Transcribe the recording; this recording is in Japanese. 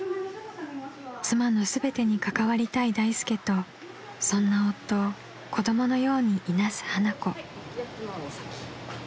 ［妻の全てに関わりたい大助とそんな夫を子供のようにいなす花子］